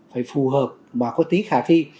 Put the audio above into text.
phải phù hợp và có tí khả thi